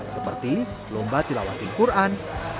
seperti lomba tilawati quran